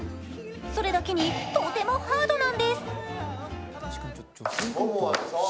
それだけに、とてもハードなんです。